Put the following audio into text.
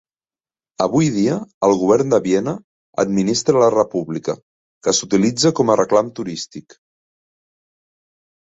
Avui dia, el govern de Viena administra la República, que s'utilitza com a reclam turístic.